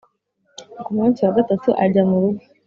ku munsi wa gatatu ajya murugo